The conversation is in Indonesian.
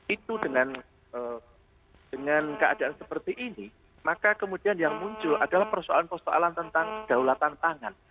itu dengan keadaan seperti ini maka kemudian yang muncul adalah persoalan persoalan tentang kedaulatan tangan